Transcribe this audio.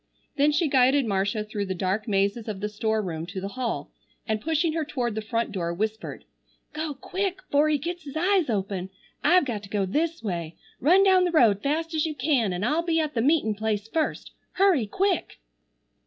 Then she guided Marcia through the dark mazes of the store room to the hall, and pushing her toward the front door, whispered: "Go quick 'fore he gets his eyes open. I've got to go this way. Run down the road fast as you can an' I'll be at the meetin' place first. Hurry, quick!"